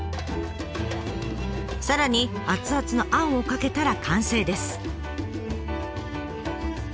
さらに熱々のあんをかけたら完成です。